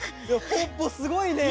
ポッポすごいね。